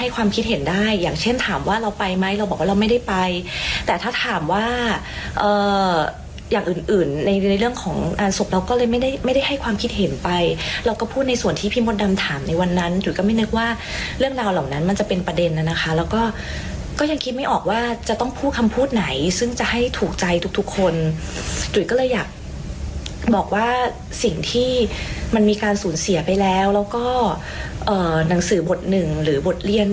ความคิดเห็นได้อย่างเช่นถามว่าเราไปไหมเราบอกว่าเราไม่ได้ไปแต่ถ้าถามว่าอย่างอื่นในเรื่องของอาสบเราก็เลยไม่ได้ไม่ได้ให้ความคิดเห็นไปเราก็พูดในส่วนที่พิมพ์ดำถามในวันนั้นจุ๋ยก็ไม่นึกว่าเรื่องราวเหล่านั้นมันจะเป็นประเด็นแล้วนะคะแล้วก็ก็ยังคิดไม่ออกว่าจะต้องพูดคำพูดไหนซึ่งจะให้ถูกใจทุกคนจุ๋ยก็